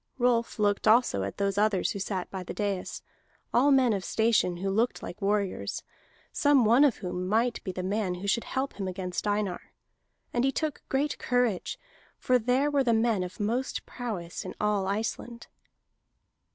Rolf looked also at those others who sat by the dais, all men of station who looked like warriors, some one of whom might be the man who should help him against Einar. And he took great courage, for there were the men of most prowess in all Iceland.